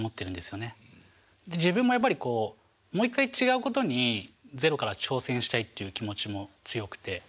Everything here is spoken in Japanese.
自分もやっぱりこうもう一回違うことにゼロから挑戦したいっていう気持ちも強くて。